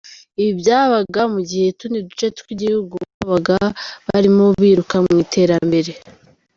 Ibi byabaga mu gihe utundi duce tw’igihugu babaga barimo biruka mu iterambere.